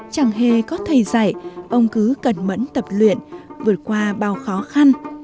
chẳng hề có thầy dạy ông cứ cẩn mẫn tập luyện vượt qua bao khó khăn